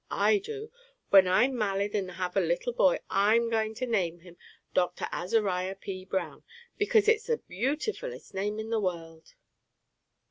I do. When I'm mallied and have a little boy, I'm going to name him Dr. Azariah P. Brown, because it's the beautifulest name in the world."